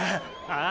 ああ！